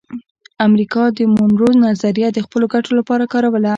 امریکا د مونرو نظریه د خپلو ګټو لپاره کاروله